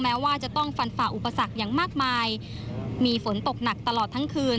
แม้ว่าจะต้องฟันฝ่าอุปสรรคอย่างมากมายมีฝนตกหนักตลอดทั้งคืน